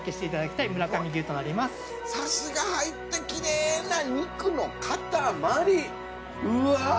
サシが入ってきれいな肉の塊！